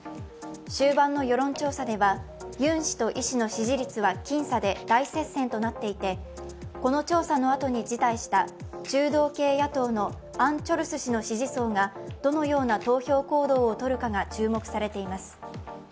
終盤の世論調査ではユン氏とイ氏の支持率は僅差で、大接戦となっていて、この調査のあとに事態した中道系野党のアン・チョルス氏の支持層がどのような投票行動をとるかが注目されています。